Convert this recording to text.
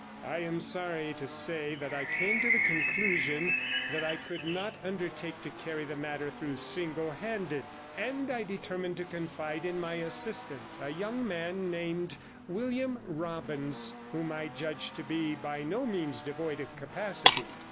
I am sorry to say that I came to the conclusion that I could not undertake to carry the matter through singlehanded, and I determined to confide in my assistant, a young man named William Robbins, whom I judged to be by no means devoid of capacity.